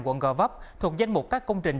quận gò vấp thuộc danh mục các công trình